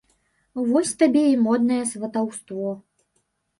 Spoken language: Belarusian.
Вось табе і моднае сватаўство.